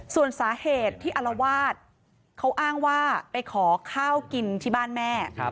ส่วนสาเหตุที่อลวาดเขาอ้างว่าไปขอข้าวกินที่บ้านแม่